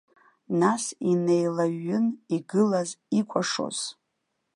Нас инеилаҩҩын, игылаз, икәашоз.